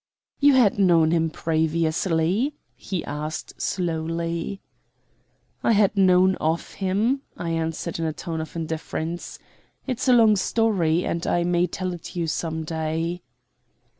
"You had known him previously?" he asked slowly. "I had known of him," I answered in a tone of indifference. "It's a long story, and I may tell it you some day."